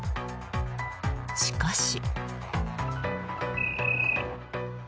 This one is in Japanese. しかし。